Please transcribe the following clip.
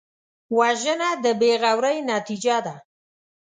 وژنه د بېغورۍ نتیجه ده